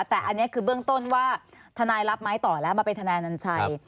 แต่อันนี้คือเบื้องต้นว่าทนายรับไม้ต่อแล้วมาเป็นทนายนัญชัย